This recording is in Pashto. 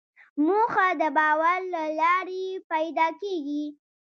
موخه د باور له لارې پیدا کېږي.